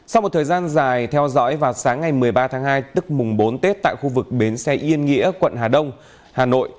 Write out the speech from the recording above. sau một thời gian dài theo dõi vào sáng ngày một mươi ba tháng hai tức mùng bốn tết tại khu vực bến xe yên nghĩa quận hà đông hà nội